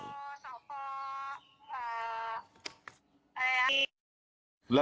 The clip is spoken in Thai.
สอบพ่อศรีบุญเรืองลูกชายบอกว่าผมขี่รถไปหาแฟน